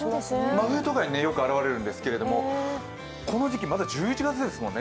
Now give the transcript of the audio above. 真冬とかによく現れるんですけど、この時期、まだ１１月ですもんね。